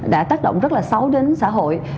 đã tác động rất là xấu đến xã hội